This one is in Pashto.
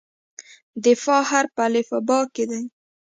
د "ف" حرف په الفبا کې دی.